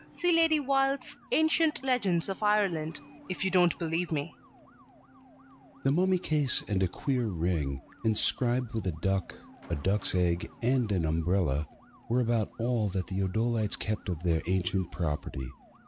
See Lady Wilde's Ancient Legends of Ireland, if you don't believe me. ED. The mummy case and a queer ring (see cover) inscribed with a duck, a duck's egg, and an umbrella, were about all that the O'Dolites kept of their ancient property.